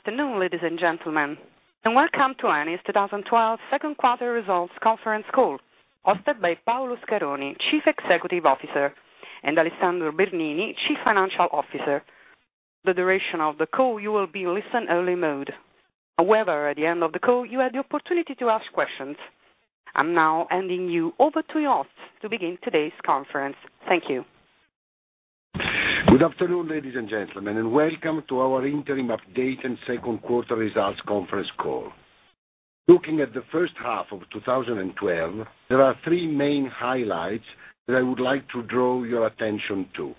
Afternoon, ladies and gentlemen, welcome to Eni's 2012 second quarter results conference call, hosted by Paolo Scaroni, Chief Executive Officer, and Alessandro Bernini, Chief Financial Officer. For the duration of the call, you will be in listen only mode. However, at the end of the call, you have the opportunity to ask questions. I am now handing you over to your hosts to begin today's conference. Thank you. Good afternoon, ladies and gentlemen, welcome to our interim update and second quarter results conference call. Looking at the first half of 2012, there are three main highlights that I would like to draw your attention to.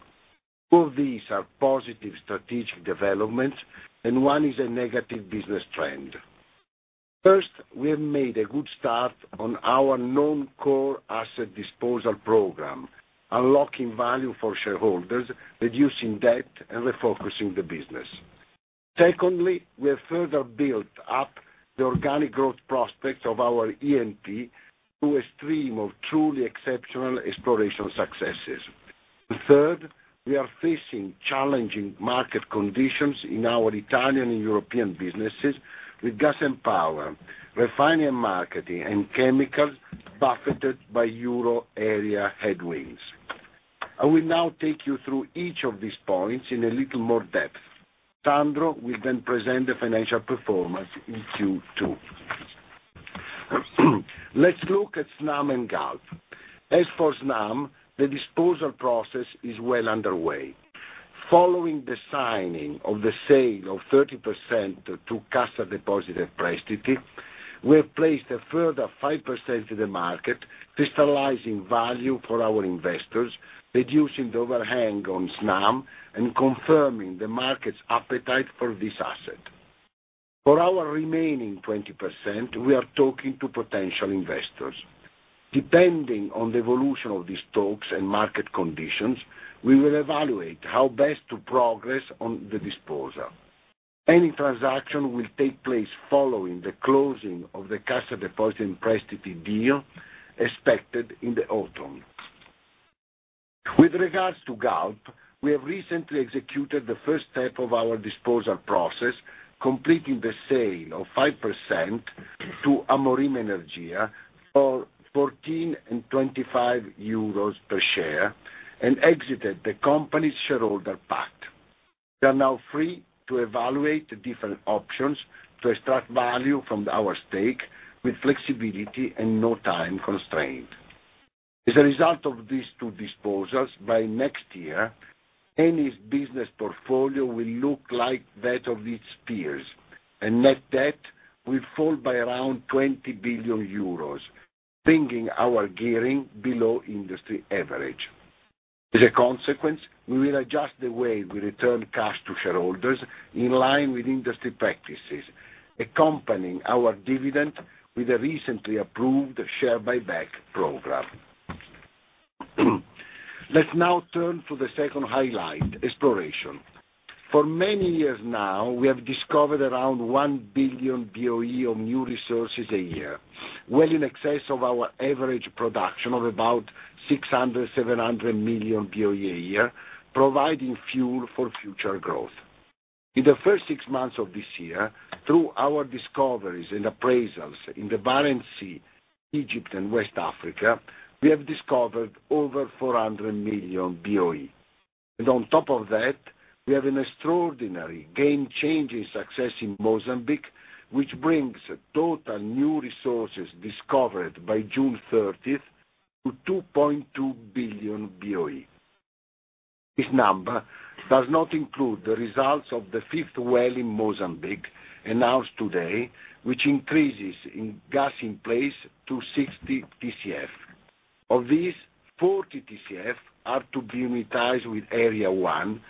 Two of these are positive strategic developments, one is a negative business trend. First, we have made a good start on our non-core asset disposal program, unlocking value for shareholders, reducing debt, and refocusing the business. Secondly, we have further built up the organic growth prospects of our E&P through a stream of truly exceptional exploration successes. Third, we are facing challenging market conditions in our Italian and European businesses with gas and power, refining, marketing, and chemicals buffeted by Euro area headwinds. I will now take you through each of these points in a little more depth. Sandro will present the financial performance in Q2. Let's look at Snam and Galp. As for Snam, the disposal process is well underway. Following the signing of the sale of 30% to Cassa Depositi e Prestiti, we have placed a further 5% to the market, crystallizing value for our investors, reducing the overhang on Snam, and confirming the market's appetite for this asset. For our remaining 20%, we are talking to potential investors. Depending on the evolution of these talks and market conditions, we will evaluate how best to progress on the disposal. Any transaction will take place following the closing of the Cassa Depositi e Prestiti deal expected in the autumn. With regards to Galp, we have recently executed the first step of our disposal process, completing the sale of 5% to Amorim Energia for 14.25 euros per share, exited the company's shareholder pact. We are now free to evaluate the different options to extract value from our stake with flexibility, no time constraint. As a result of these two disposals, by next year, Eni's business portfolio will look like that of its peers, net debt will fall by around 20 billion euros, bringing our gearing below industry average. As a consequence, we will adjust the way we return cash to shareholders in line with industry practices, accompanying our dividend with a recently approved share buyback program. Let's now turn to the second highlight, exploration. For many years now, we have discovered around one billion BOE of new resources a year, well in excess of our average production of about 600 million-700 million BOE a year, providing fuel for future growth. In the first six months of this year, through our discoveries and appraisals in the Barents Sea, Egypt, and West Africa, we have discovered over 400 million BOE. On top of that, we have an extraordinary game-changing success in Mozambique, which brings total new resources discovered by June 30th to 2.2 billion BOE. This number does not include the results of the fifth well in Mozambique announced today, which increases gas in place to 60 TCF. Of these, 40 TCF are to be unitized with Area 1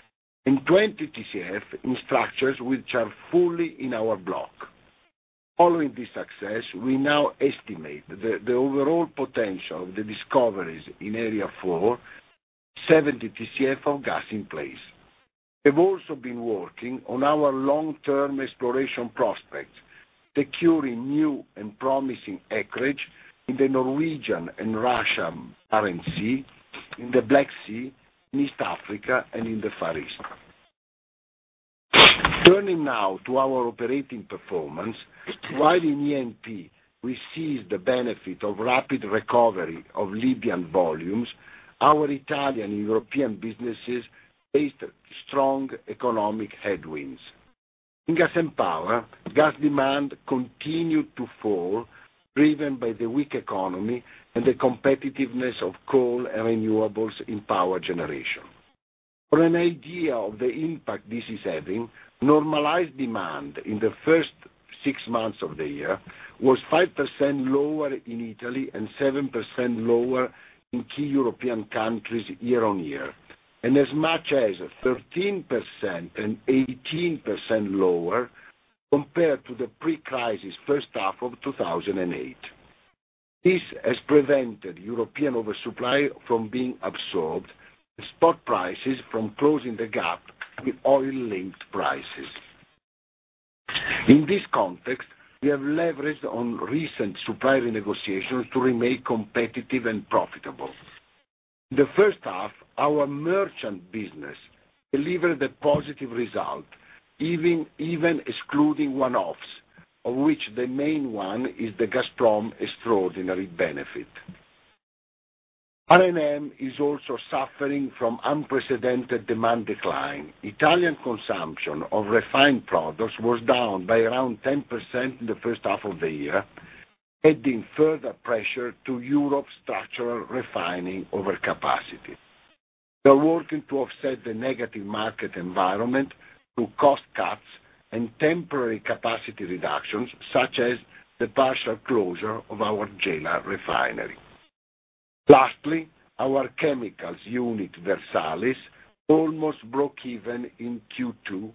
and 20 TCF in structures which are fully in our block. Following this success, we now estimate the overall potential of the discoveries in Area 4, 70 TCF of gas in place. We've also been working on our long-term exploration prospects, securing new and promising acreage in the Norwegian and Russian Barents Sea, in the Black Sea, in East Africa and in the Far East. Turning now to our operating performance. While in E&P, we seized the benefit of rapid recovery of Libyan volumes, our Italian and European businesses faced strong economic headwinds. In Gas & Power, gas demand continued to fall, driven by the weak economy and the competitiveness of coal and renewables in power generation. For an idea of the impact this is having, normalized demand in the first six months of the year was 5% lower in Italy and 7% lower in key European countries year-on-year, and as much as 13% and 18% lower compared to the pre-crisis first half of 2008. This has prevented European oversupply from being absorbed, spot prices from closing the gap with oil-linked prices. In this context, we have leveraged on recent supplier negotiations to remain competitive and profitable. The first half, our merchant business delivered a positive result, even excluding one-offs, of which the main one is the Gazprom extraordinary benefit. R&M is also suffering from unprecedented demand decline. Italian consumption of refined products was down by around 10% in the first half of the year, adding further pressure to Europe's structural refining over capacity. We're working to offset the negative market environment through cost cuts and temporary capacity reductions, such as the partial closure of our Gela refinery. Lastly, our chemicals unit, Versalis, almost broke even in Q2.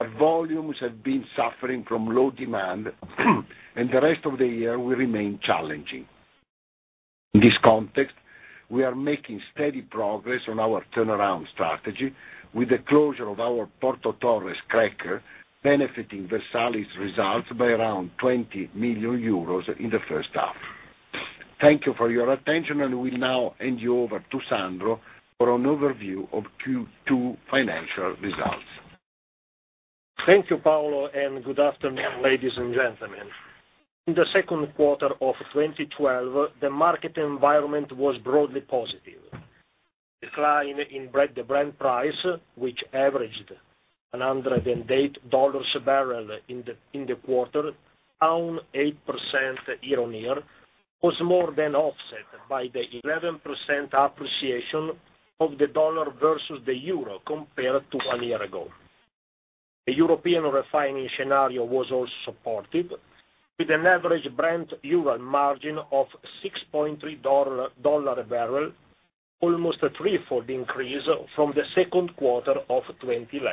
Our volumes have been suffering from low demand, and the rest of the year will remain challenging. In this context, we are making steady progress on our turnaround strategy with the closure of our Porto Torres cracker benefiting Versalis results by around 20 million euros in the first half. Thank you for your attention, and will now hand you over to Sandro for an overview of Q2 financial results. Thank you, Paolo, and good afternoon, ladies and gentlemen. In the second quarter of 2012, the market environment was broadly positive. Decline in the Brent price, which averaged $108 a barrel in the quarter, down 8% year-on-year, was more than offset by the 11% appreciation of the U.S. dollar versus the Euro compared to one year ago. The European refining scenario was also supported with an average Brent Euro margin of $6.3 a barrel, almost a threefold increase from the second quarter of 2011.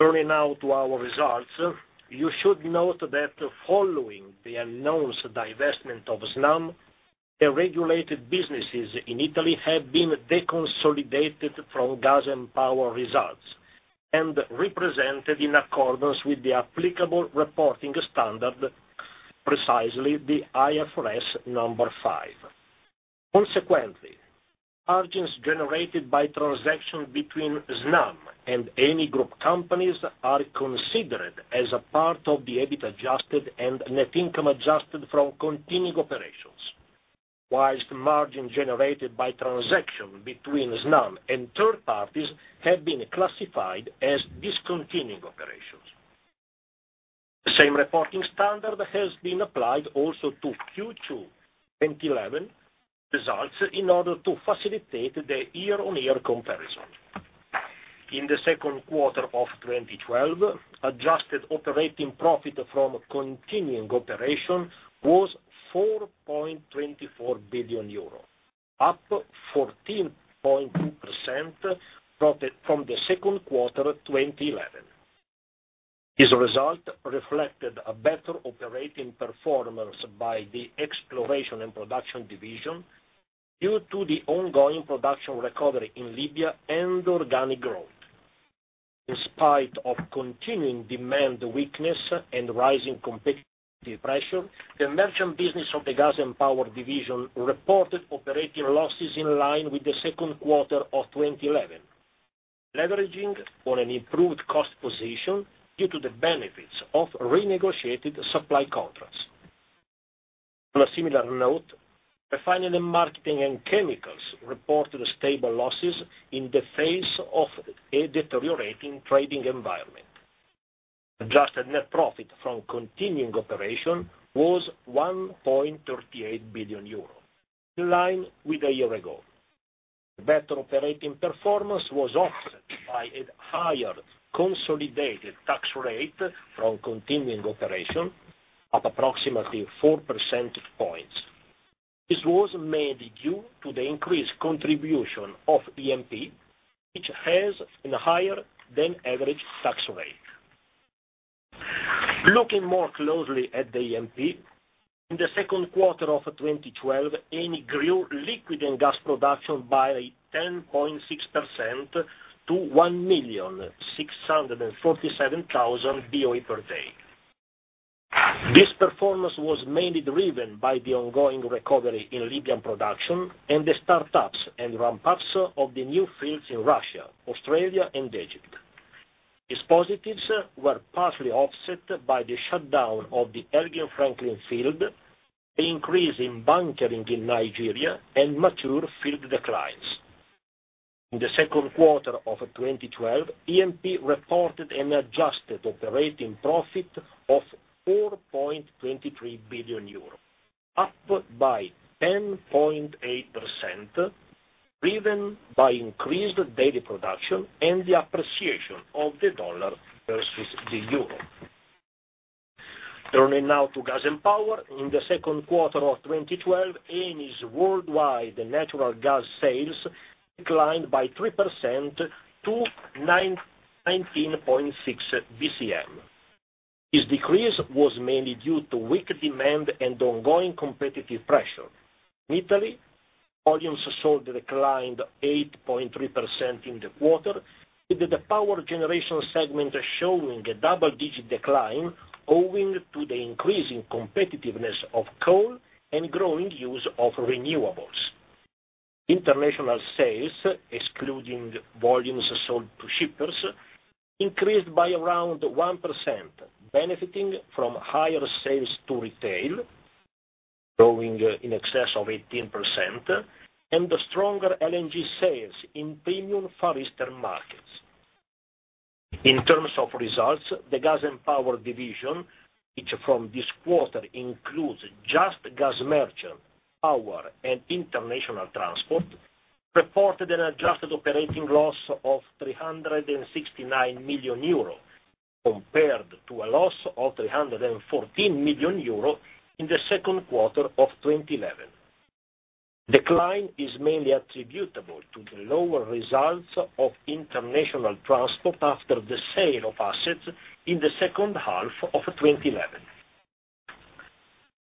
Turning now to our results. You should note that following the announced divestment of Snam, the regulated businesses in Italy have been deconsolidated from Gas & Power results and represented in accordance with the applicable reporting standard, precisely the IFRS 5. Consequently, margins generated by transaction between Snam and Eni group companies are considered as a part of the EBIT adjusted and net income adjusted from continuing operations. Whilst margin generated by transaction between Snam and third parties have been classified as discontinued operations. The same reporting standard has been applied also to Q2 2011 results in order to facilitate the year-on-year comparison. In the second quarter of 2012, adjusted operating profit from continuing operation was €4.24 billion, up 14.2% from the second quarter of 2011. This result reflected a better operating performance by the Exploration & Production Division due to the ongoing production recovery in Libya and organic growth. In spite of continuing demand weakness and rising competitive pressure, the merchant business of the Gas & Power Division reported operating losses in line with the second quarter of 2011, leveraging on an improved cost position due to the benefits of renegotiated supply contracts. On a similar note, Refining & Marketing and Chemicals reported stable losses in the face of a deteriorating trading environment. Adjusted net profit from continuing operation was €1.38 billion, in line with a year ago. Better operating performance was offset by a higher consolidated tax rate from continuing operation, up approximately four percentage points. This was mainly due to the increased contribution of E&P, which has a higher than average tax rate. Looking more closely at the E&P, in the second quarter of 2012, Eni grew liquid and gas production by 10.6% to 1,647,000 BOE per day. This performance was mainly driven by the ongoing recovery in Libyan production and the startups and ramp-ups of the new fields in Russia, Australia, and Egypt. These positives were partially offset by the shutdown of the Elgin-Franklin field, the increase in bunkering in Nigeria, and mature field declines. In the second quarter of 2012, E&P reported an adjusted operating profit of €4.23 billion, up by 10.8%, driven by increased daily production and the appreciation of the U.S. dollar versus the Euro. Turning now to Gas & Power, in the second quarter of 2012, Eni's worldwide natural gas sales declined by 3% to 19.6 BCM. This decrease was mainly due to weak demand and ongoing competitive pressure. In Italy, volumes sold declined 8.3% in the quarter, with the power generation segment showing a double-digit decline owing to the increasing competitiveness of coal and growing use of renewables. International sales, excluding volumes sold to shippers, increased by around 1%, benefiting from higher sales to retail, growing in excess of 18%, and the stronger LNG sales in premium Far Eastern markets. In terms of results, the gas and power division, which from this quarter includes just gas merchant, power, and international transport, reported an adjusted operating loss of 369 million euro, compared to a loss of 314 million euro in the second quarter of 2011. Decline is mainly attributable to the lower results of international transport after the sale of assets in the second half of 2011.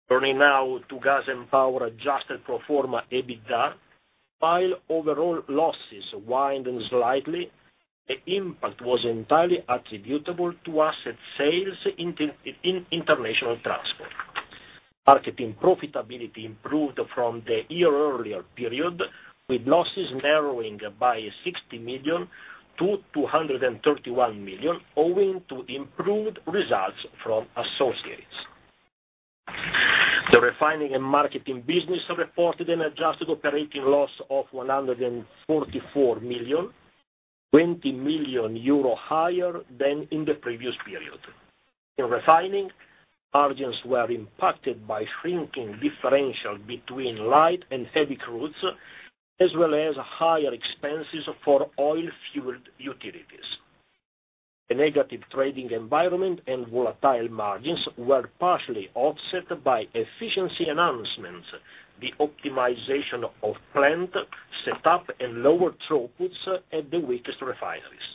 Turning now to gas and power adjusted pro forma EBITDA, while overall losses widened slightly, the impact was entirely attributable to asset sales in international transport. Marketing profitability improved from the year earlier period, with losses narrowing by 60 million to 231 million, owing to improved results from associates. The refining and marketing business reported an adjusted operating loss of 144 million, 20 million euro higher than in the previous period. In refining, margins were impacted by shrinking differential between light and heavy crudes, as well as higher expenses for oil-fueled utilities. The negative trading environment and volatile margins were partially offset by efficiency enhancements, the optimization of plant set up, and lower throughputs at the weakest refineries.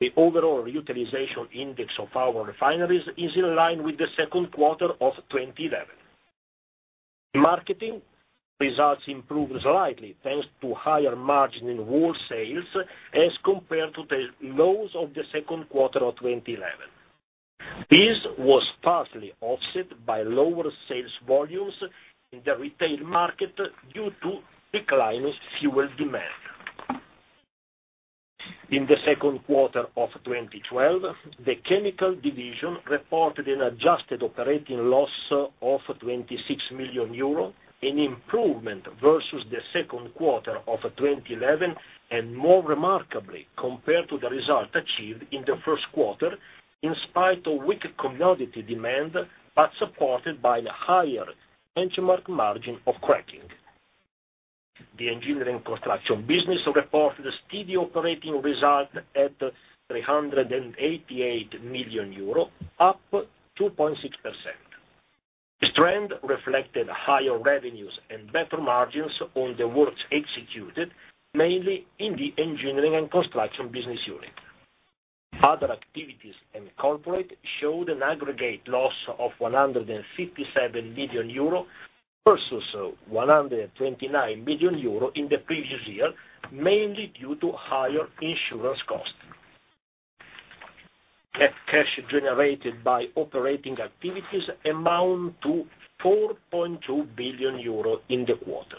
The overall utilization index of our refineries is in line with the second quarter of 2011. Marketing results improved slightly, thanks to higher margin in wholesale as compared to the lows of the second quarter of 2011. This was partially offset by lower sales volumes in the retail market due to declining fuel demand. In the second quarter of 2012, the chemical division reported an adjusted operating loss of 26 million euro, an improvement versus the second quarter of 2011, and more remarkably, compared to the result achieved in the first quarter, in spite of weak commodity demand, but supported by the higher benchmark margin of cracking. The engineering construction business reported a steady operating result at 388 million euro, up 2.6%. This trend reflected higher revenues and better margins on the works executed, mainly in the engineering and construction business unit. Other activities and corporate showed an aggregate loss of 157 million euro versus 129 million euro in the previous year, mainly due to higher insurance cost. Net cash generated by operating activities amount to 4.2 billion euro in the quarter.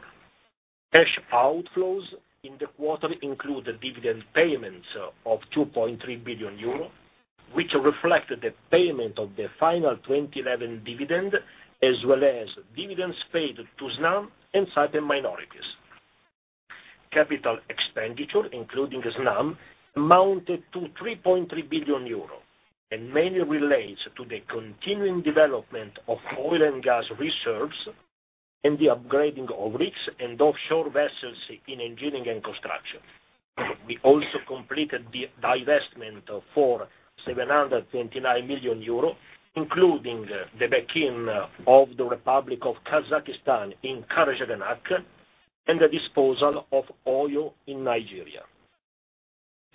Cash outflows in the quarter include the dividend payments of 2.3 billion euro, which reflect the payment of the final 2011 dividend, as well as dividends paid to Snam and certain minorities. Capital expenditure, including Snam, amounted to 3.3 billion euro, and mainly relates to the continuing development of oil and gas reserves and the upgrading of rigs and offshore vessels in engineering and construction. We also completed the divestment for 729 million euro, including the back-in of the Republic of Kazakhstan in Karachaganak, and the disposal of oil in Nigeria.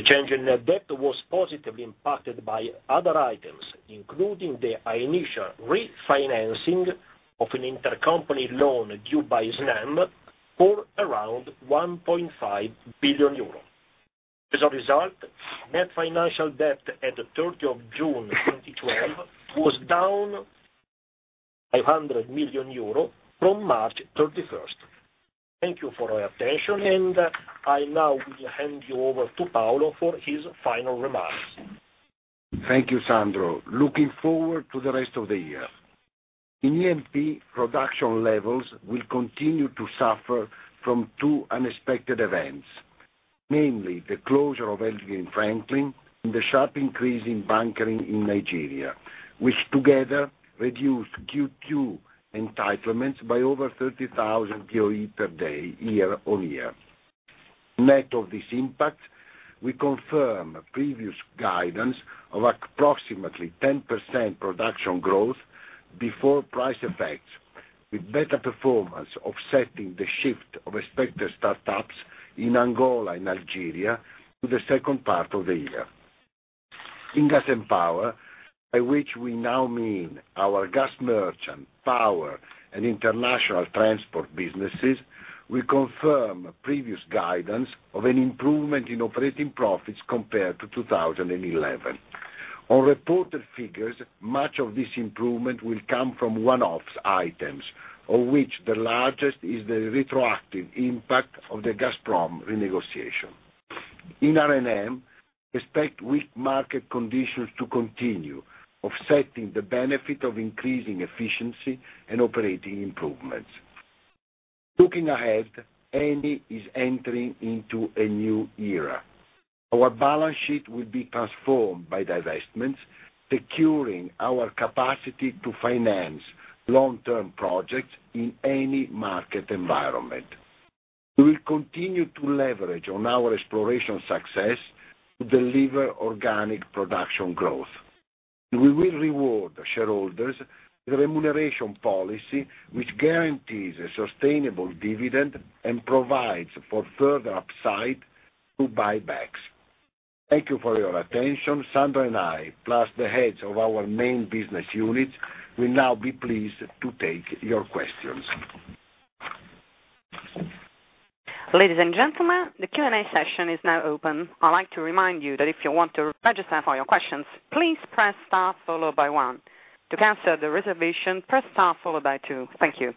The change in net debt was positively impacted by other items, including the initial refinancing of an intercompany loan due by Snam for around 1.5 billion euros. As a result, net financial debt at the 3rd of June 2012 was down 500 million euro from March 31st. Thank you for your attention. I now will hand you over to Paolo for his final remarks. Thank you, Sandro. Looking forward to the rest of the year. In E&P, production levels will continue to suffer from two unexpected events, namely the closure of Elgin and Franklin and the sharp increase in bunkering in Nigeria, which together reduced Q2 entitlements by over 30,000 BOE per day, year-on-year. Net of this impact, we confirm previous guidance of approximately 10% production growth before price effects, with better performance offsetting the shift of expected startups in Angola and Algeria to the second part of the year. In Gas and Power, by which we now mean our gas merchant, power, and international transport businesses, we confirm previous guidance of an improvement in operating profits compared to 2011. On reported figures, much of this improvement will come from one-off items, of which the largest is the retroactive impact of the Gazprom renegotiation. In R&M, expect weak market conditions to continue, offsetting the benefit of increasing efficiency and operating improvements. Looking ahead, Eni is entering into a new era. Our balance sheet will be transformed by divestments, securing our capacity to finance long-term projects in any market environment. We will continue to leverage on our exploration success to deliver organic production growth. We will reward shareholders with a remuneration policy which guarantees a sustainable dividend and provides for further upside through buybacks. Thank you for your attention. Sandro and I, plus the heads of our main business units, will now be pleased to take your questions. Ladies and gentlemen, the Q&A session is now open. I'd like to remind you that if you want to register for your questions, please press star followed by one. To cancel the reservation, press star followed by two. Thank you.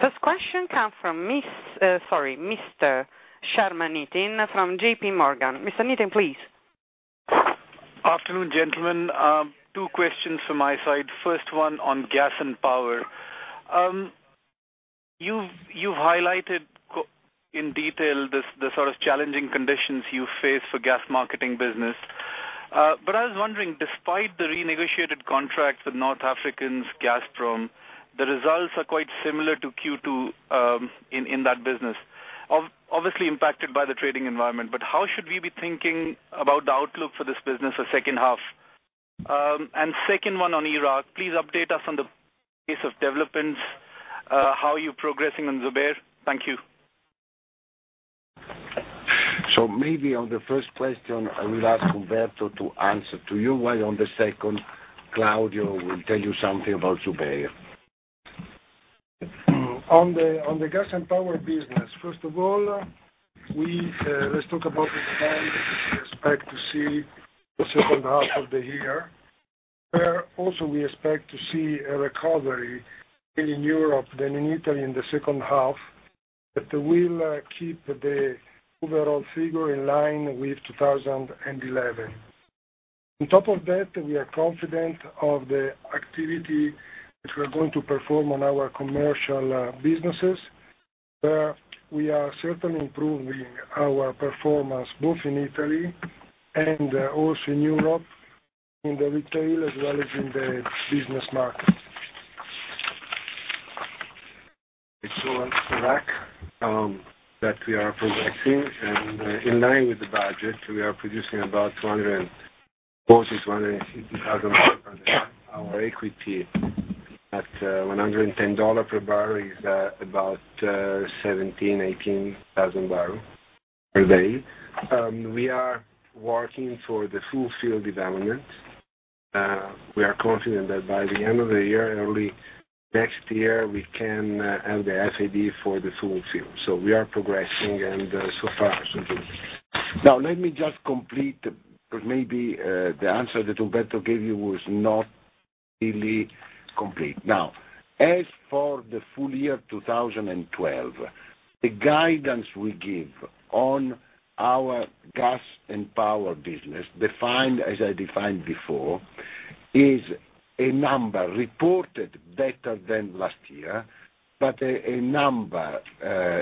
First question comes from Mr. Nitin Sharma from JPMorgan. Mr. Nitin, please. Afternoon, gentlemen. Two questions from my side. First one on gas and power. You've highlighted in detail the sort of challenging conditions you face for gas marketing business. I was wondering, despite the renegotiated contracts with North Africans, Gazprom, the results are quite similar to Q2 in that business. Obviously impacted by the trading environment, how should we be thinking about the outlook for this business the second half? Second one on Iraq, please update us on the pace of developments. How are you progressing on Zubair? Thank you. Maybe on the first question, I will ask Umberto to answer to you, while on the second, Claudio will tell you something about Zubair. On the gas and power business, first of all, let's talk about the demand we expect to see the second half of the year, where also we expect to see a recovery in Europe than in Italy in the second half, that will keep the overall figure in line with 2011. On top of that, we are confident of the activity that we are going to perform on our commercial businesses, where we are certainly improving our performance, both in Italy and also in Europe, in the retail as well as in the business market. On Iraq, that we are progressing and in line with the budget, we are producing about 240,000, 250,000 barrels a day. Our equity at $110 per barrel is about 17,000, 18,000 barrels per day. We are working for the full field development. We are confident that by the end of the year, early next year, we can have the FID for the full field. We are progressing and so far, so good. Let me just complete, maybe the answer that Umberto gave you was not really complete. As for the full year 2012, the guidance we give on our gas and power business, as I defined before, is a number reported better than last year, but a number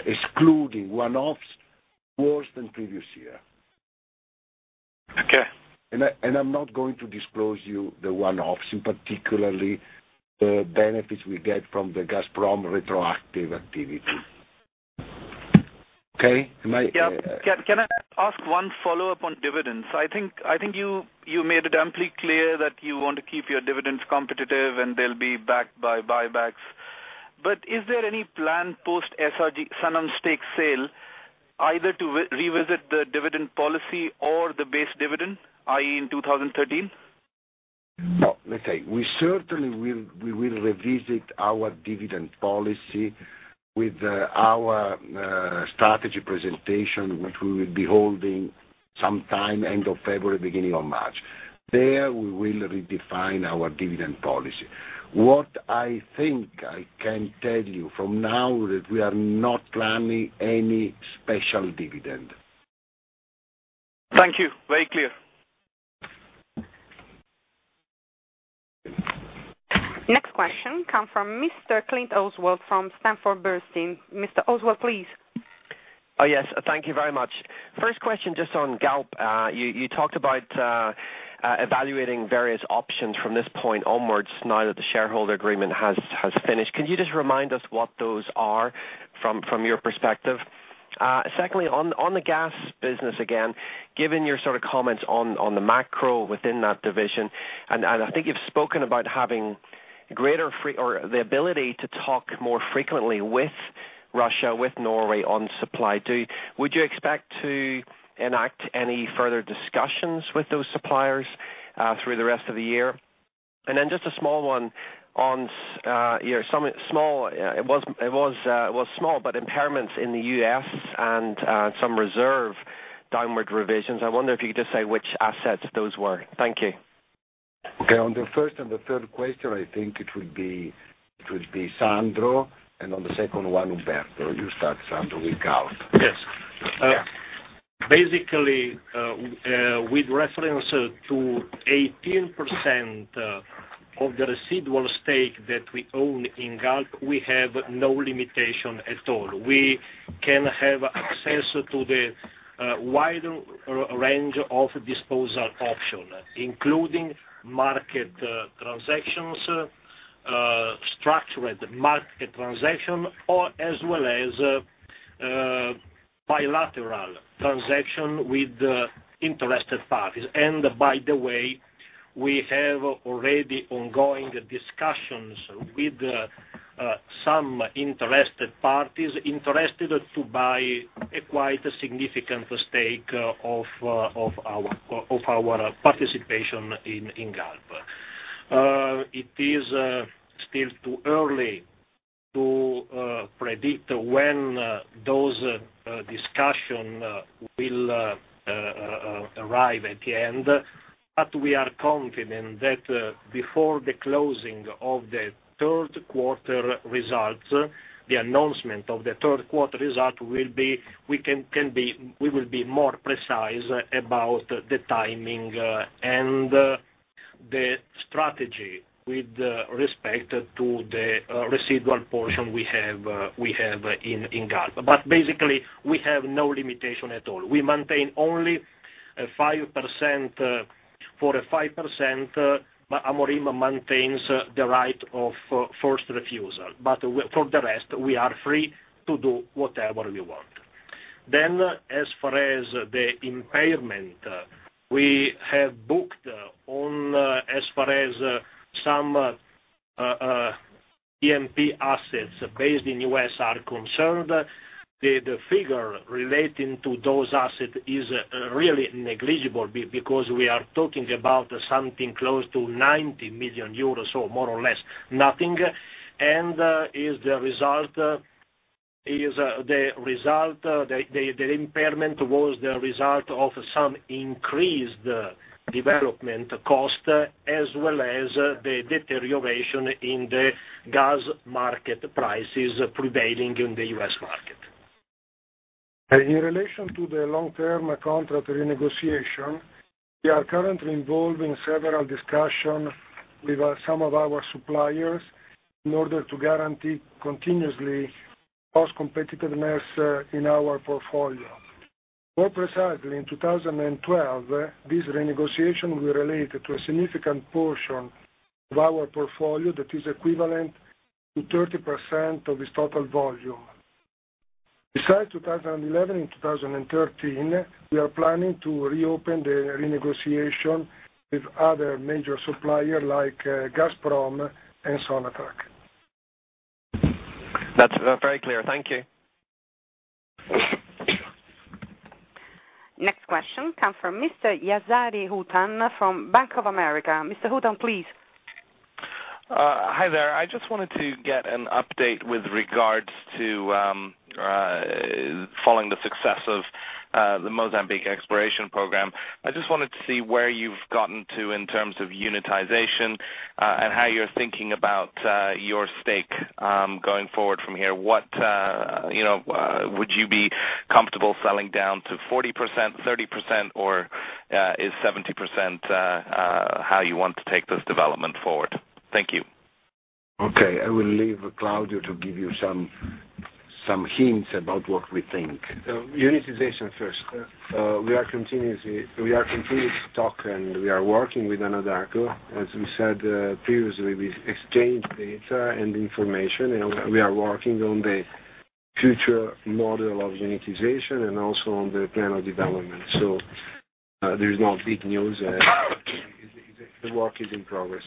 excluding one-offs worse than previous year. Okay. I'm not going to disclose you the one-offs, in particularly the benefits we get from the Gazprom retroactive activity. Okay? Yeah. Can I ask one follow-up on dividends? I think you made it amply clear that you want to keep your dividends competitive, and they'll be backed by buybacks. Is there any plan post SRG, Sonangol stake sale, either to revisit the dividend policy or the base dividend, i.e., in 2013? No. Let's say, we certainly will revisit our dividend policy with our strategy presentation, which we will be holding sometime end of February, beginning of March. There, we will redefine our dividend policy. What I think I can tell you from now, that we are not planning any special dividend. Thank you. Very clear. Next question comes from Mr. Oswald Clint from Sanford C. Bernstein. Mr. Oswald, please. Oh, yes. Thank you very much. First question, just on Galp. You talked about evaluating various options from this point onwards now that the shareholder agreement has finished. Can you just remind us what those are from your perspective? Secondly, on the gas business, again, given your comments on the macro within that division, I think you've spoken about having the ability to talk more frequently with Russia, with Norway on supply. Would you expect to enact any further discussions with those suppliers through the rest of the year? Then just a small one on, it was small, but impairments in the U.S. and some reserve downward revisions. I wonder if you could just say which assets those were. Thank you. Okay. On the first and the third question, I think it will be Sandro, and on the second one, Umberto. You start, Sandro, with Galp. Yes. Yeah. Basically, with reference to 18% of the residual stake that we own in Galp, we have no limitation at all. We can have access to the wide range of disposal options, including market transactions, structured market transaction, or as well as bilateral transaction with interested parties. By the way, we have already ongoing discussions with some interested parties, interested to buy a quite significant stake of our participation in Galp. It is still too early to predict when those discussion will arrive at the end, but we are confident that before the closing of the third quarter results, the announcement of the third quarter result, we will be more precise about the timing and the strategy with respect to the residual portion we have in Galp. Basically, we have no limitation at all. We maintain only for 5%, Amorim maintains the right of first refusal. For the rest, we are free to do whatever we want. As far as the impairment we have booked on as far as some E&P assets based in U.S. are concerned, the figure relating to those assets is really negligible because we are talking about something close to 90 million euros, so more or less nothing, and the impairment was the result of some increased development cost, as well as the deterioration in the gas market prices prevailing in the U.S. market. In relation to the long-term contract renegotiation, we are currently involved in several discussions with some of our suppliers in order to guarantee continuously cost competitiveness in our portfolio. More precisely, in 2012, this renegotiation will relate to a significant portion of our portfolio that is equivalent to 30% of its total volume. Besides 2011 and 2013, we are planning to reopen the renegotiation with other major supplier like Gazprom and Sonatrach. That's very clear. Thank you. Next question come from Mr. Hootan Yaghoobzadeh from Bank of America. Mr. Hootan, please. Hi there. I just wanted to get an update with regards to following the success of the Mozambique exploration program. I just wanted to see where you've gotten to in terms of unitization and how you're thinking about your stake going forward from here. Would you be comfortable selling down to 40%, 30%, or is 70% how you want to take this development forward? Thank you. I will leave Claudio to give you some hints about what we think. Unitization first. We are continuously talk, and we are working with Anadarko. As we said previously, we exchange data and information. We are working on the future model of unitization and also on the plan of development. There is no big news. The work is in progress.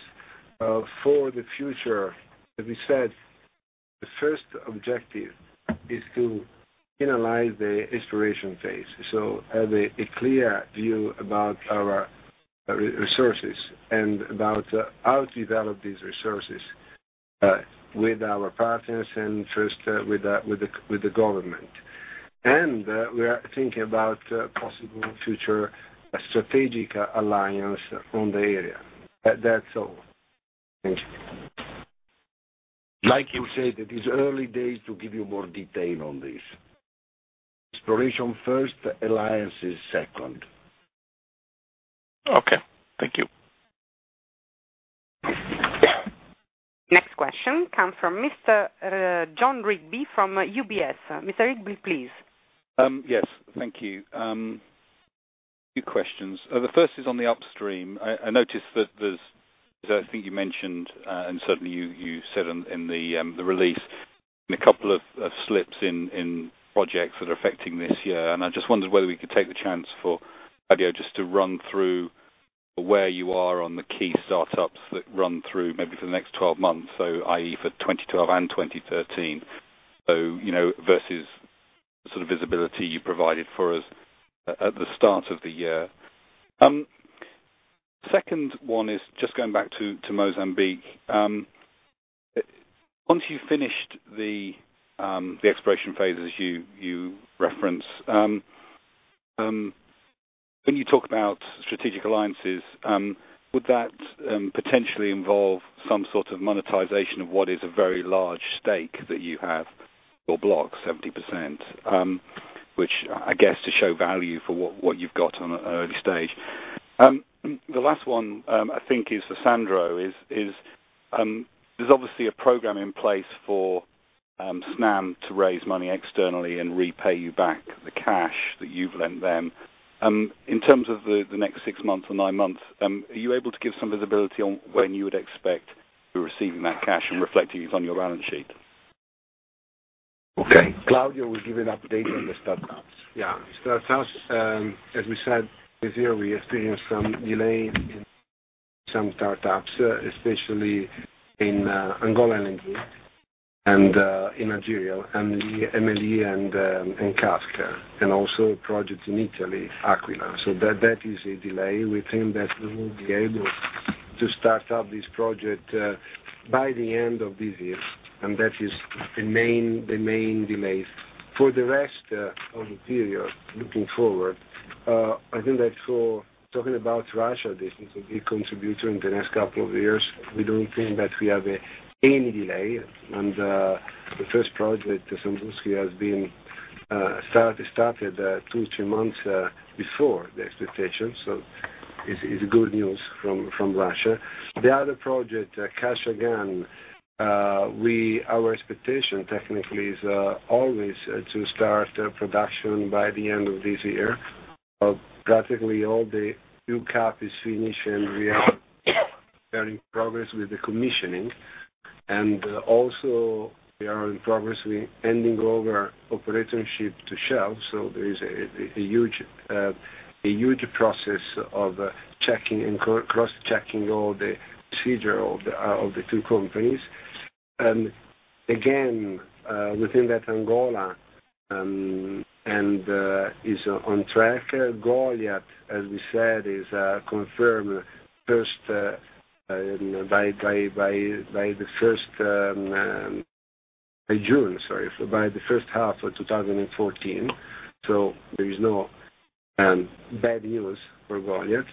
For the future, as we said, the first objective is to finalize the exploration phase, so have a clear view about our resources and about how to develop these resources with our partners and first with the government. We are thinking about possible future strategic alliance on the area. That's all. Thank you. Like you said, it is early days to give you more detail on this. Exploration first, alliances second. Okay. Thank you. Next question comes from Mr. Jon Rigby from UBS. Mr. Rigby, please. Yes. Thank you. Few questions. The first is on the upstream. I noticed that there's, I think you mentioned, and certainly you said in the release, been a couple of slips in projects that are affecting this year, and I just wondered whether we could take the chance for Claudio just to run through where you are on the key startups that run through maybe for the next 12 months, i.e. for 2012 and 2013. Versus the visibility you provided for us at the start of the year. Second one is just going back to Mozambique. Once you've finished the exploration phases you reference. When you talk about strategic alliances, would that potentially involve some sort of monetization of what is a very large stake that you have or block 70%? Which I guess to show value for what you've got on an early stage. The last one, I think is for Sandro, is there's obviously a program in place for Snam to raise money externally and repay you back the cash that you've lent them. In terms of the next six months or nine months, are you able to give some visibility on when you would expect to be receiving that cash and reflecting it on your balance sheet? Okay. Claudio will give an update on the startups. Yeah. Startups, as we said, this year, we experienced some delay in some startups, especially in Angola and India and in Nigeria, MLE and Kaska, and also projects in Italy, Aquila. That is a delay. We think that we will be able to start up this project by the end of this year, and that is the main delay. For the rest of the year, looking forward, I think that for talking about Russia, this will be a contributor in the next couple of years. We don't think that we have any delay, and the first project, Samburskoye, has been started two, three months before the expectation. It's good news from Russia. The other project, Kashagan, our expectation technically is always to start production by the end of this year. Practically all the new CapEx is finished, and we are in progress with the commissioning. Also we are in progress with handing over operatorship to Shell. There is a huge process of checking and cross-checking all the procedure of the two companies. Again, within that, Angola is on track. Goliat, as we said, is confirmed by June, sorry, so by the first half of 2014. There is no bad news for Goliat.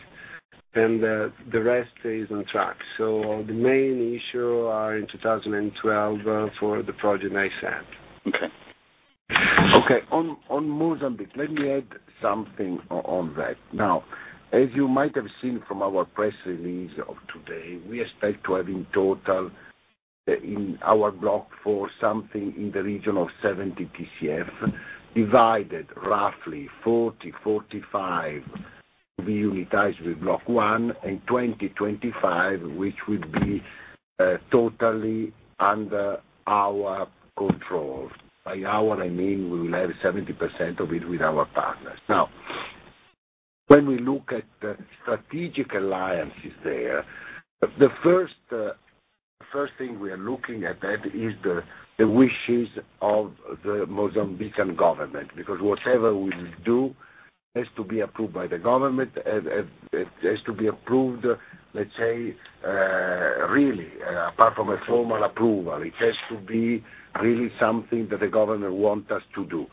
The rest is on track. The main issue are in 2012 for the project I said. Okay. On Mozambique, let me add something on that. As you might have seen from our press release of today, we expect to have in total in our block 4, something in the region of 70 TCF, divided roughly 40, 45 will be unitized with block 1 and 20, 25, which would be totally under our control. By our, I mean, we will have 70% of it with our partners. When we look at the strategic alliances there, the first thing we are looking at that is the wishes of the Mozambican government, because whatever we will do has to be approved by the government, it has to be approved, let's say, really, apart from a formal approval, it has to be really something that the government want us to do.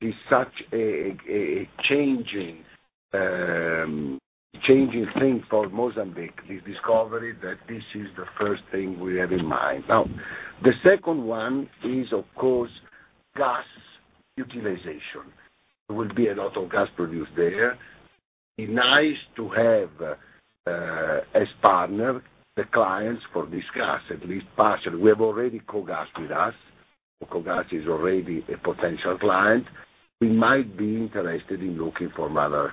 Is such a changing thing for Mozambique, this discovery, that this is the first thing we have in mind. The second one is, of course, gas utilization. There will be a lot of gas produced there. Be nice to have, as partner, the clients for this gas, at least partially. We have already KOGAS with us. KOGAS is already a potential client. We might be interested in looking for other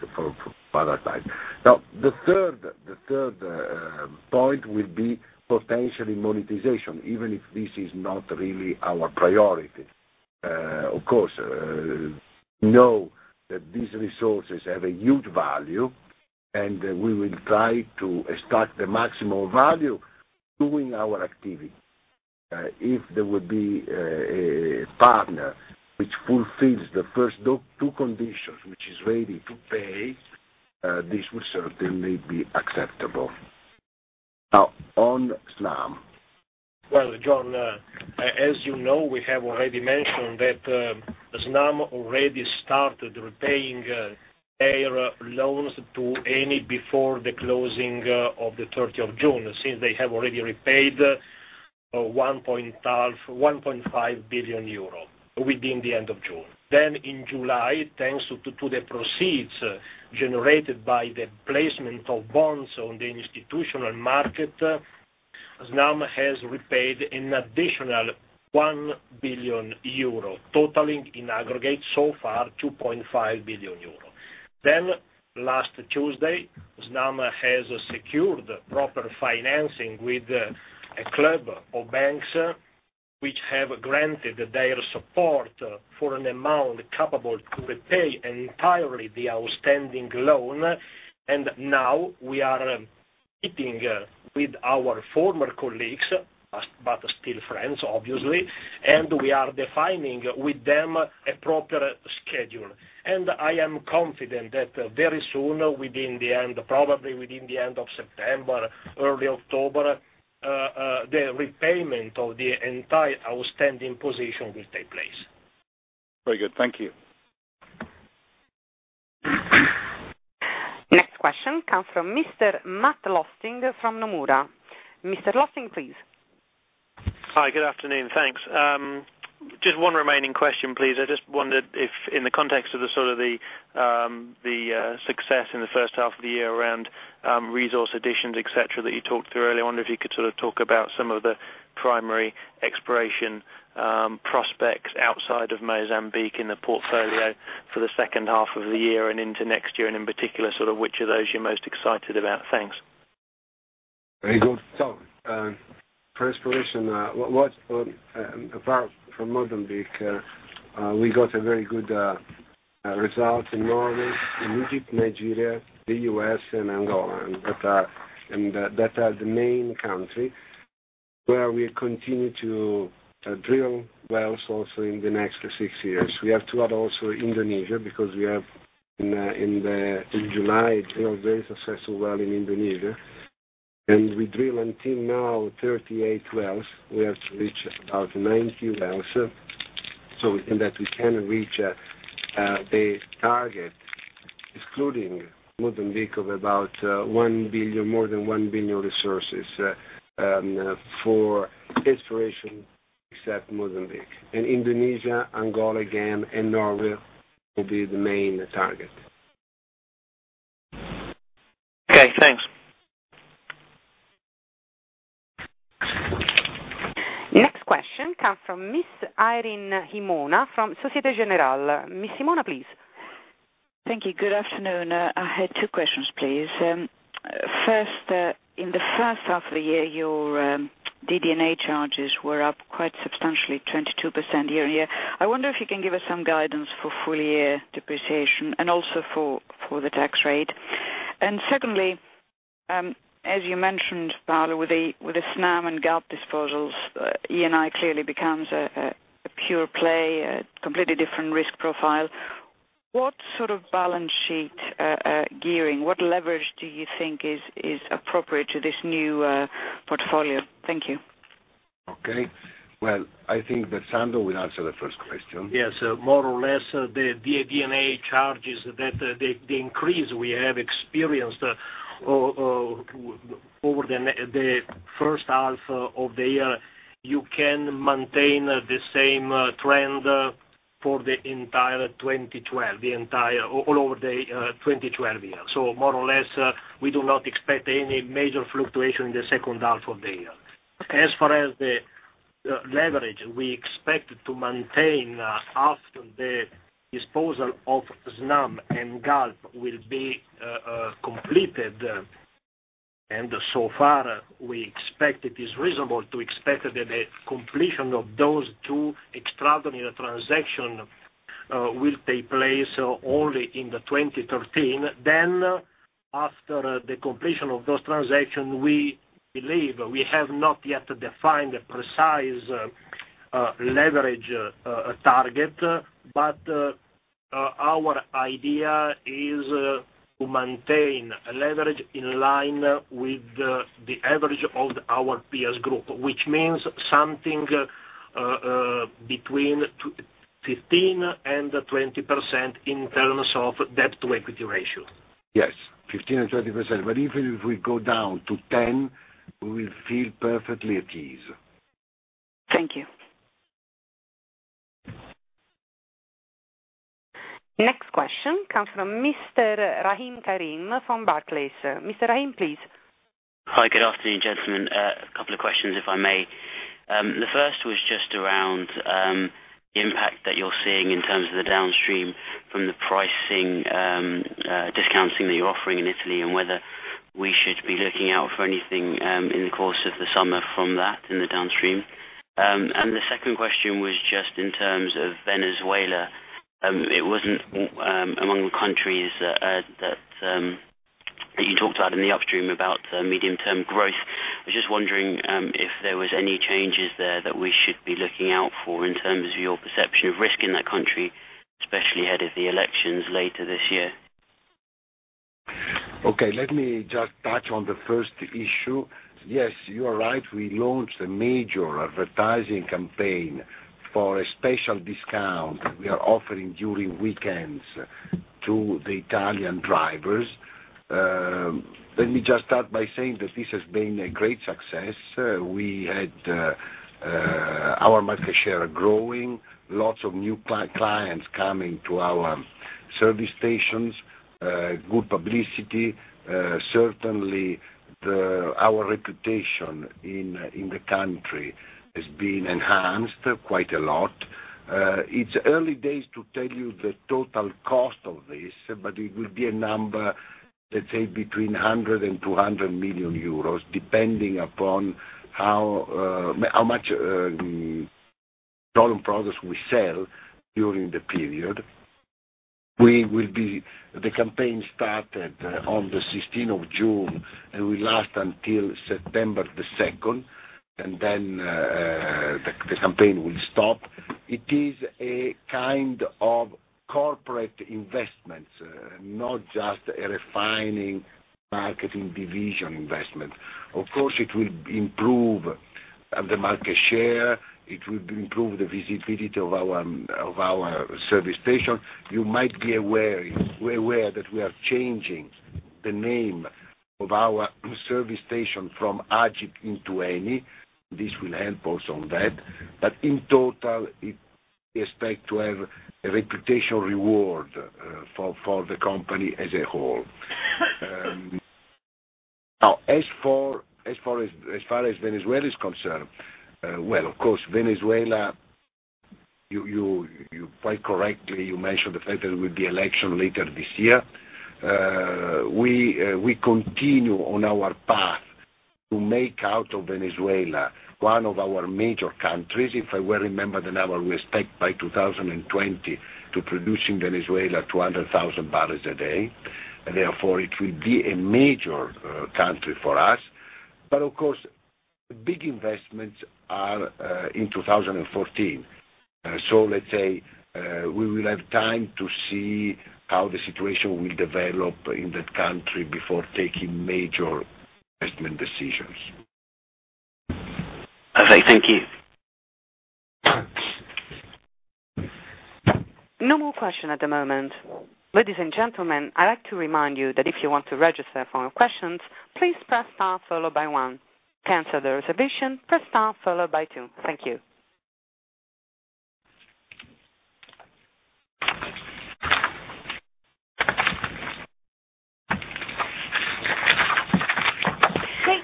sides. The third point will be potentially monetization, even if this is not really our priority. Of course, we know that these resources have a huge value, and we will try to extract the maximum value doing our activity. If there would be a partner which fulfills the first two conditions, which is ready to pay, this will certainly be acceptable. On Snam. Well, Jon, as you know, we have already mentioned that Snam already started repaying their loans to Eni before the closing of the 30th of June. They have already repaid 1.5 billion euro within the end of June. In July, thanks to the proceeds generated by the placement of bonds on the institutional market, Snam has repaid an additional 1 billion euro, totaling in aggregate so far 2.5 billion euro. Last Tuesday, Snam has secured proper financing with a club of banks, which have granted their support for an amount capable to repay entirely the outstanding loan. Now we are meeting with our former colleagues, but still friends, obviously, we are defining with them a proper schedule. I am confident that very soon, probably within the end of September, early October, the repayment of the entire outstanding position will take place. Very good. Thank you. Next question comes from Mr. Matt Lofthouse from Nomura. Mr. Lofthouse, please. Hi, good afternoon. Thanks. Just one remaining question, please. I just wondered if in the context of the success in the first half of the year around resource additions, et cetera, that you talked through earlier, I wonder if you could talk about some of the primary exploration prospects outside of Mozambique in the portfolio for the second half of the year and into next year, and in particular, which of those you're most excited about. Thanks. Very good. For exploration, apart from Mozambique, we got a very good result in Norway, in Egypt, Nigeria, the U.S., and Angola. That are the main country where we continue to drill wells also in the next six years. We have to add also Indonesia, because we have in July drilled a successful well in Indonesia. We drill until now 38 wells, we have to reach about 90 wells, so that we can reach a target, excluding Mozambique, of about more than 1 billion resources for exploration, except Mozambique. Indonesia, Angola again, and Norway will be the main target. Okay, thanks. Next question comes from Ms. Irene Himona from Société Générale. Ms. Himona, please. Thank you. Good afternoon. I had two questions, please. First, in the first half of the year, your DD&A charges were up quite substantially, 22% year-over-year. I wonder if you can give us some guidance for full year depreciation and also for the tax rate. Secondly, as you mentioned, Paolo, with the Snam and Galp disposals, Eni clearly becomes a pure play, a completely different risk profile. What sort of balance sheet gearing, what leverage do you think is appropriate to this new portfolio? Thank you. Okay. Well, I think that Sandro will answer the first question. Yes. More or less, the DD&A charges, the increase we have experienced over the first half of the year, you can maintain the same trend for the entire 2012, all over the 2012 year. More or less, we do not expect any major fluctuation in the second half of the year. As far as the leverage, we expect to maintain after the disposal of Snam and Galp will be completed, and so far, it is reasonable to expect that the completion of those two extraordinary transactions will take place only in the 2013. After the completion of those transactions, we believe we have not yet defined a precise leverage target, but our idea is to maintain a leverage in line with the average of our peers group, which means something between 15% and 20% in terms of debt to equity ratio. Yes, 15% and 20%. Even if we go down to 10%, we will feel perfectly at ease. Thank you. Next question comes from Mr. Rahim Karim from Barclays. Mr. Rahim, please. Hi, good afternoon, gentlemen. A couple of questions, if I may. The first was just around the impact that you're seeing in terms of the downstream from the pricing discounting that you're offering in Italy, and whether we should be looking out for anything in the course of the summer from that in the downstream. The second question was just in terms of Venezuela. It wasn't among the countries that you talked about in the upstream about medium-term growth. I was just wondering if there was any changes there that we should be looking out for in terms of your perception of risk in that country, especially ahead of the elections later this year. Okay, let me just touch on the first issue. Yes, you are right. We launched a major advertising campaign for a special discount we are offering during weekends to the Italian drivers. Let me just start by saying that this has been a great success. We had our market share growing, lots of new clients coming to our service stations, good publicity. Certainly, our reputation in the country has been enhanced quite a lot. It's early days to tell you the total cost of this, but it will be a number, let's say, between 100 and 200 million euros, depending upon how much stolen products we sell during the period. The campaign started on the 16th of June, and will last until September the 2nd, and then the campaign will stop. It is a kind of corporate investment, not just a refining marketing division investment. Of course, it will improve the market share. It will improve the visibility of our service station. You might be aware that we are changing the name of our service station from Agip into Eni. This will help us on that. In total, we expect to have a reputational reward for the company as a whole. Now, as far as Venezuela is concerned, well, of course, Venezuela, you quite correctly mentioned the fact that there will be election later this year. We continue on our path to make out of Venezuela one of our major countries. If I well remember the number, we expect by 2020 to producing Venezuela 200,000 barrels a day. Therefore, it will be a major country for us. Of course, the big investments are in 2014. Let's say, we will have time to see how the situation will develop in that country before taking major investment decisions. Okay, thank you. No more question at the moment. Ladies and gentlemen, I'd like to remind you that if you want to register for more questions, please press star followed by one. To cancel the reservation, press star followed by two. Thank you.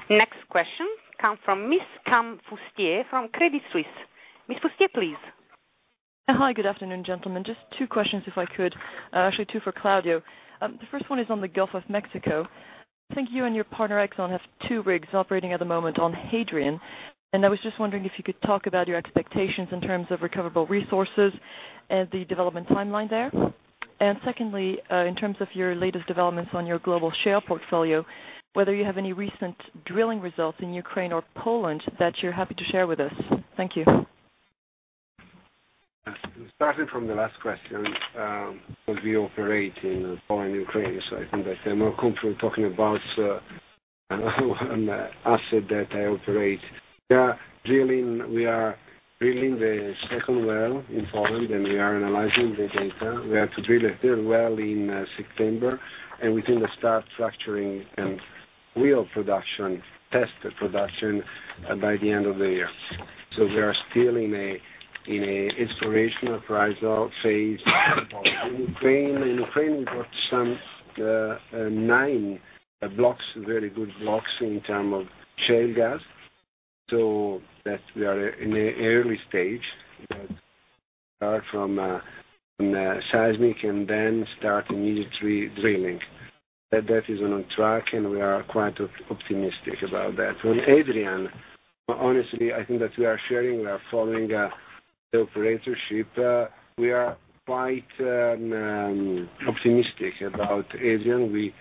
Okay. Next question come from Miss Kim Fustier from Credit Suisse. Ms. Fustier, please. Hi. Good afternoon, gentlemen. Just two questions if I could. Actually, two for Claudio. The first one is on the Gulf of Mexico. I think you and your partner, Exxon, have two rigs operating at the moment on Hadrian. I was just wondering if you could talk about your expectations in terms of recoverable resources and the development timeline there. Secondly, in terms of your latest developments on your global share portfolio, whether you have any recent drilling results in Ukraine or Poland that you're happy to share with us. Thank you. Starting from the last question, because we operate in Poland and Ukraine, I think that I'm more comfortable talking about an asset that I operate. We are drilling the second well in Poland, and we are analyzing the data. We are to drill a third well in September, and we think to start fracturing and wheel production, test production, by the end of the year. We are still in a explorational appraisal phase. In Ukraine, we got nine very good blocks in term of shale gas. We are in the early stage. We have to start from seismic then start immediately drilling. That is on track. We are quite optimistic about that. With Hadrian, honestly, I think that we are sharing, we are following the operatorship. We are quite optimistic about Hadrian.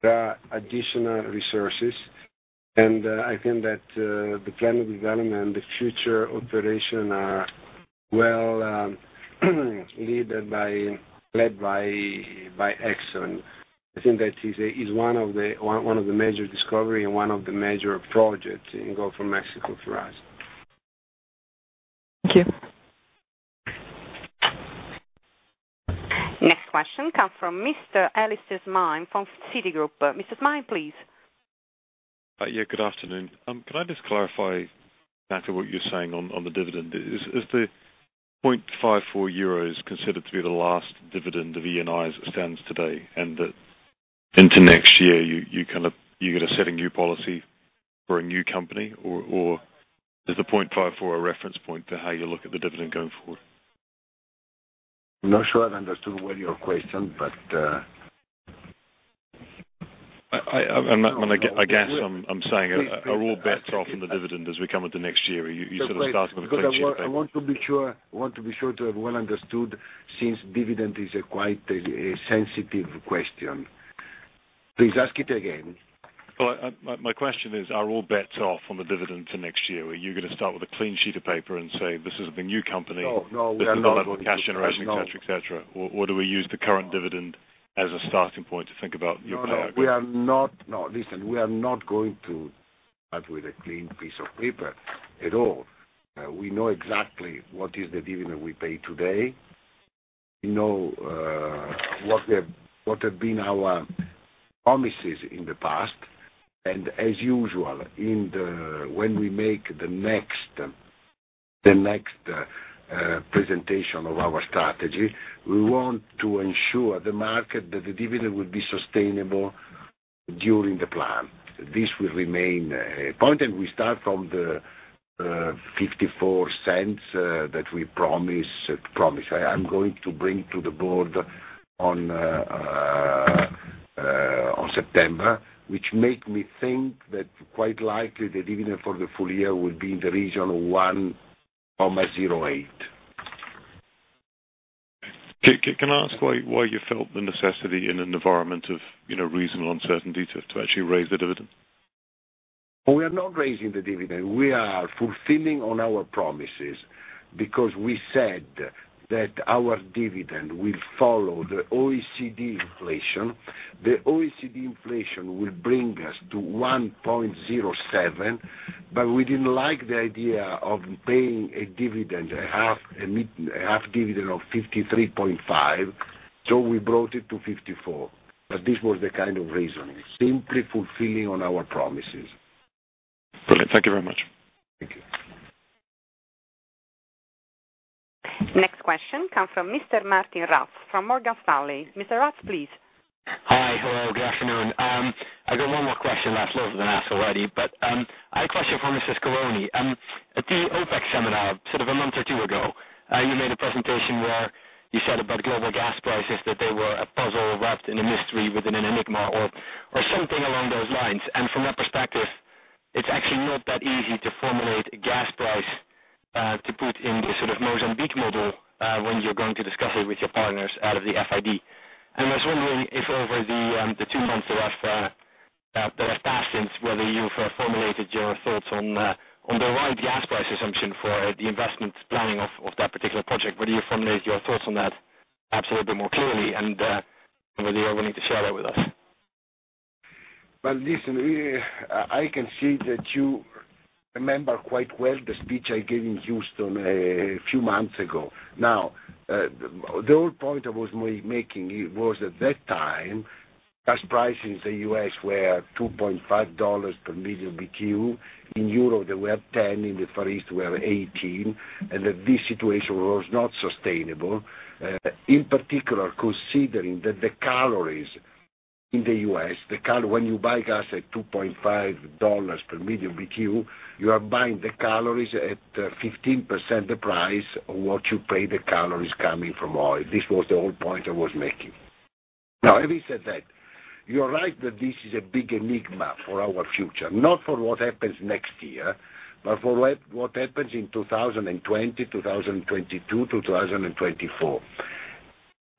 There are additional resources. I think that the plan of development, the future operation are well led by Exxon. I think that is one of the major discovery and one of the major projects in Gulf of Mexico for us. Thank you. Next question comes from Mr. Alistair Syme from Citigroup. Mr. Syme, please. Yeah, good afternoon. Can I just clarify, Paolo, what you're saying on the dividend? Is the 0.54 euros considered to be the last dividend of Eni as it stands today, and that into next year, you get to set a new policy for a new company, or is the 0.54 a reference point to how you look at the dividend going forward? I'm not sure I've understood well your question. I guess I'm saying. Please, please ask it. Are all bets off on the dividend as we come into next year? You sort of started with a clean sheet of paper. I want to be sure to have well understood, since dividend is quite a sensitive question. Please ask it again. Well, my question is, are all bets off on the dividend to next year? Are you going to start with a clean sheet of paper and say, "This is the new company- No, no, we are not going to. No. This is not a cash generation, et cetera, et cetera? Do we use the current dividend as a starting point to think about your payout? No, listen, we are not going to start with a clean piece of paper at all. We know exactly what is the dividend we pay today. We know what have been our promises in the past. As usual, when we make the next presentation of our strategy, we want to ensure the market that the dividend will be sustainable during the plan. This will remain a point, and we start from the 0.54 that we promised. I am going to bring to the board on September, which make me think that quite likely the dividend for the full year will be in the region of 1.08. Can I ask why you felt the necessity in an environment of reasonable uncertainty to actually raise the dividend? We are not raising the dividend. We are fulfilling on our promises because we said that our dividend will follow the OECD inflation. The OECD inflation will bring us to 1.07, but we didn't like the idea of paying a dividend, a half dividend of 53.5. We brought it to 54. This was the kind of reasoning, simply fulfilling on our promises. Brilliant. Thank you very much. Thank you. Next question comes from Mr. Martijn Rats from Morgan Stanley. Mr. Rats, please. Hi. Hello, good afternoon. I've got one more question, less than I asked already, but I had a question for Mr. Scaroni. At the OPEC seminar, sort of a month or two ago, you made a presentation where you said about global gas prices, that they were a puzzle wrapped in a mystery within an enigma or something along those lines. From that perspective, it's actually not that easy to formulate a gas price, to put in the sort of Mozambique model, when you're going to discuss it with your partners out of the FID. I was wondering if over the two months that have passed since, whether you've formulated your thoughts on the right gas price assumption for the investment planning of that particular project, whether you formulated your thoughts on that perhaps a little bit more clearly, and whether you are willing to share that with us. Well, listen, I can see that you remember quite well the speech I gave in Houston a few months ago. The whole point I was making was at that time, gas prices in the U.S. were $2.5 per million BTU. In Europe, they were 10, in the Far East were 18, and that this situation was not sustainable. In particular, considering that the calories in the U.S., when you buy gas at $2.5 per million BTU, you are buying the calories at 15% the price of what you pay the calories coming from oil. This was the whole point I was making. Having said that, you are right that this is a big enigma for our future, not for what happens next year, but for what happens in 2020, 2022, 2024.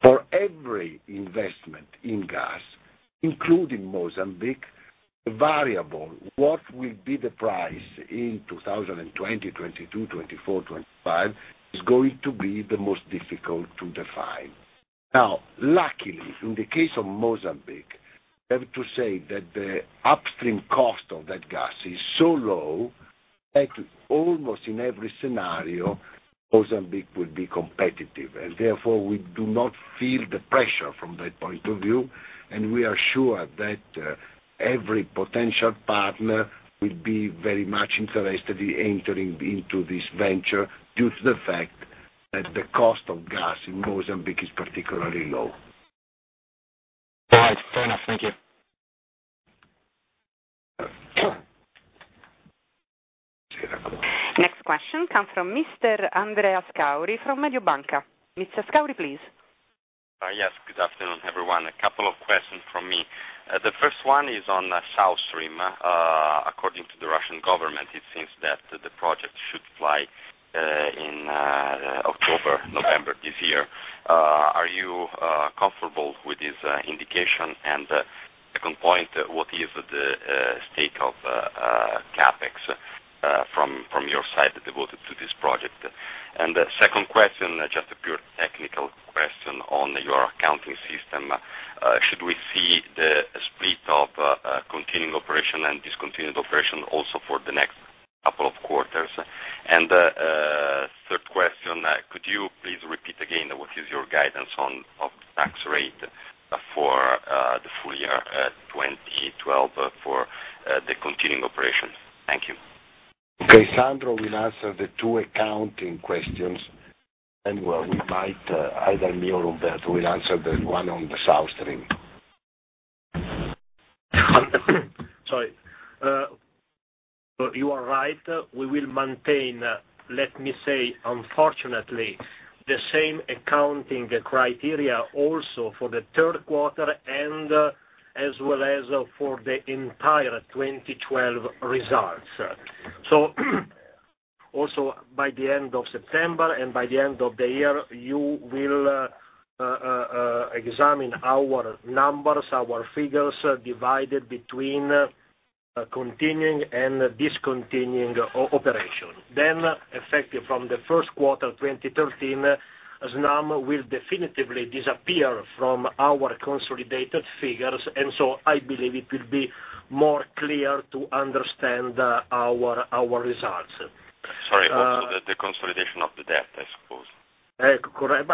For every investment in gas, including Mozambique, the variable, what will be the price in 2020, 22, 24, 25, is going to be the most difficult to define. Luckily, in the case of Mozambique, I have to say that the upstream cost of that gas is so low, actually, almost in every scenario, Mozambique would be competitive. Therefore, we do not feel the pressure from that point of view, and we are sure that every potential partner will be very much interested in entering into this venture due to the fact that the cost of gas in Mozambique is particularly low. All right. Fair enough. Thank you. Next question comes from Mr. Andrea Scauri from Mediobanca. Mr. Scauri, please. Yes. Good afternoon, everyone. A couple of questions from me. The first one is on South Stream. According to the Russian government, it seems that the project should fly in October, November this year. Are you comfortable with this indication? Second point, what is the stake of CapEx, from your side, devoted to this project? The second question, just a pure technical question on your accounting system. Should we see the split of continuing operation and discontinued operation also for the next couple of quarters? Third question, could you please repeat again what is your guidance of tax rate for the full year 2012 for the continuing operation? Thank you. Okay. Sandro will answer the two accounting questions. We might, either me or Roberto will answer the one on the South Stream. Sorry. You are right. We will maintain, let me say, unfortunately, the same accounting criteria also for the third quarter and as well as for the entire 2012 results. Also by the end of September, by the end of the year, you will examine our numbers, our figures, divided between continuing and discontinuing operation. Effective from the first quarter 2013, Snam will definitively disappear from our consolidated figures. I believe it will be more clear to understand our results. Sorry. Also the consolidation of the debt, I suppose. Correct.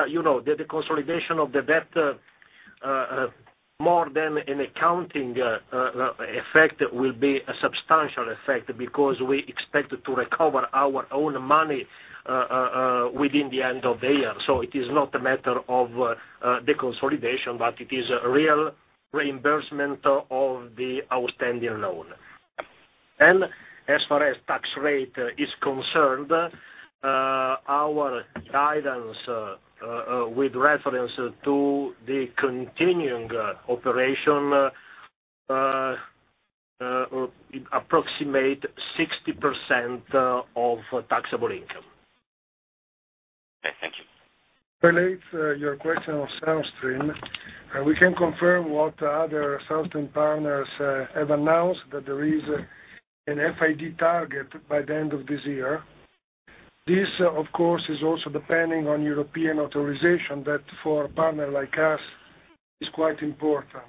The consolidation of the debt, more than an accounting effect will be a substantial effect because we expect to recover our own money within the end of the year. It is not a matter of the consolidation, but it is a real reimbursement of the outstanding loan. As far as tax rate is concerned, our guidance with reference to the continuing operation approximate 60% of taxable income. Thank you. Relates your question on South Stream. We can confirm what other South Stream partners have announced that there is an FID target by the end of this year. This, of course, is also depending on European authorization that for a partner like us is quite important.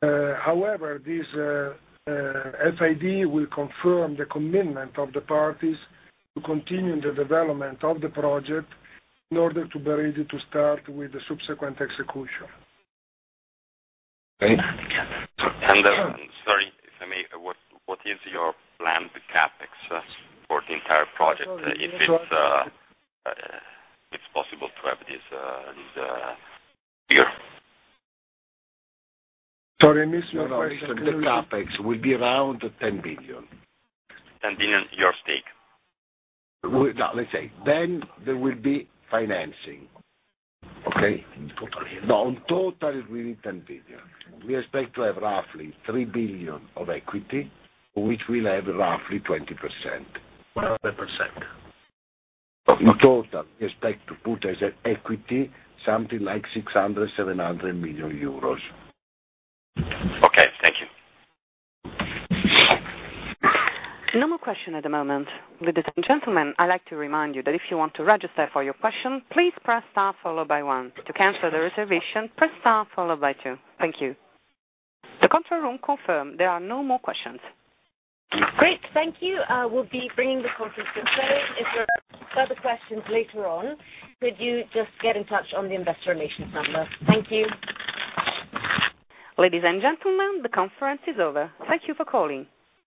This FID will confirm the commitment of the parties to continue the development of the project in order to be ready to start with the subsequent execution. Okay. Sorry, if I may. What is your planned CapEx for the entire project? If it's possible to have this here. Sorry, miss. Your question- The CapEx will be around 10 billion. 10 billion, your stake? Let's say, there will be financing. Okay? In total. No, in total will be 10 billion. We expect to have roughly 3 billion of equity, which will have roughly 20%. What other %? In total, we expect to put as an equity something like 600 million-700 million euros. Okay. Thank you. No more question at the moment. Ladies and gentlemen, I'd like to remind you that if you want to register for your question, please press star followed by one. To cancel the reservation, press star followed by two. Thank you. The control room confirm there are no more questions. Great. Thank you. We'll be bringing the conference to a close. If there are further questions later on, could you just get in touch on the investor relations number? Thank you. Ladies and gentlemen, the conference is over. Thank you for calling.